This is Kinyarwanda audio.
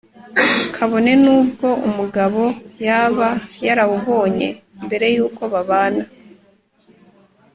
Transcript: kabone n'ubwo umugabo yaba yarawubonye mbere y'uko babana